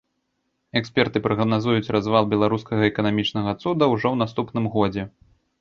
Эксперты прагназуюць развал беларускага эканамічнага цуда ўжо ў наступным годзе.